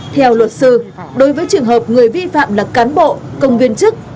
theo luật sư đối với trường hợp người vi phạm là cán bộ công viên chức